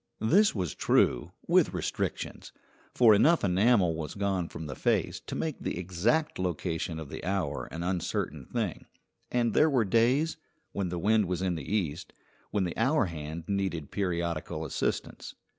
This was true, with restrictions, for enough enamel was gone from the face to make the exact location of the hour an uncertain thing; and there were days, when the wind was in the east, when the hour hand needed periodical assistance.